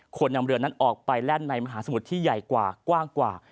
ควรนำเรือนั้นออกไปแล่นในมหาสมุทรที่ใหญ่กว่ากว้างกว่า